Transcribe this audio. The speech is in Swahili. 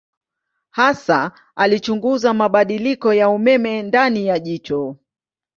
Hasa alichunguza mabadiliko ya umeme ndani ya jicho.